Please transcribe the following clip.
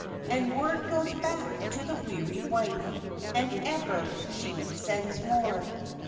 And word goes back to the weary wife, And ever she sends more.